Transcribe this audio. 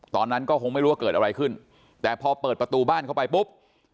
ตอนนั้นก็คงไม่รู้ว่าเกิดอะไรขึ้นแต่พอเปิดประตูบ้านเข้าไปปุ๊บ